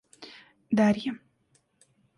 Дарья